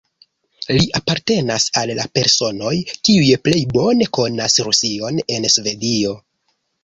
Li apartenas al la personoj, kiuj plej bone konas Rusion en Svedio.